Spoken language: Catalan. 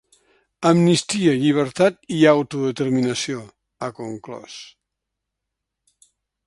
“Amnistia, llibertat i autodeterminació”, ha conclòs.